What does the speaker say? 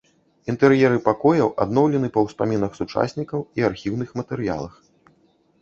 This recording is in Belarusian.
Інтэр'еры пакояў адноўлены па ўспамінах сучаснікаў і архіўных матэрыялах.